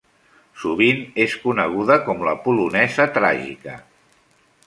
Sovint és coneguda com la Polonesa tràgica.